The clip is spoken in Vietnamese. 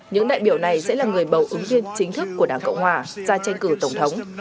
những đại biểu này sẽ là người bầu ứng viên chính thức của đảng cộng hòa ra tranh cử tổng thống